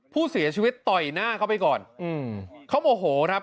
ผู้เสียชีวิตต่อยหน้าเขาไปก่อนอืมเขาโมโหครับ